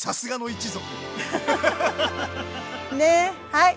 はい。